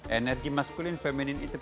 energi maskulin dan feminin itu penting